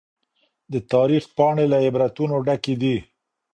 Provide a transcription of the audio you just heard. د تاريخ پاڼې له عبرتونو ډکې دي.